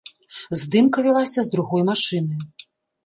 Здымка вялася з другой машыны.